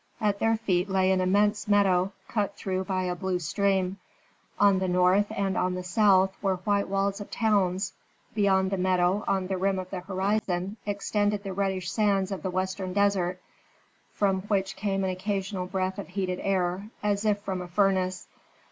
At their feet lay an immense meadow, cut through by a blue stream. On the north and on the south were white walls of towns; beyond the meadow on the rim of the horizon extended the reddish sands of the western desert, from which came an occasional breath of heated air, as if from a furnace.